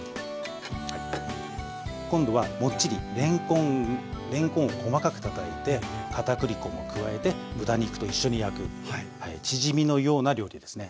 今度はもっちりれんこんを細かくたたいて片栗粉も加えて豚肉と一緒に焼くチヂミのような料理ですね。